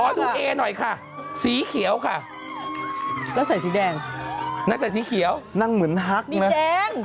ขอดูเอหน่อยครับสีเขียวครับสีเขียวครับสีเขียวครับ